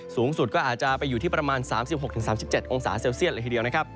สูงสุดเกิดอาจจะอยู่ที่ประมาณ๓๖๓๗องศาเซลเซียท